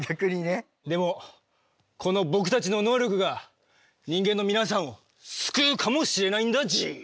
でもこの僕たちの能力が人間の皆さんを救うかもしれないんだＧ。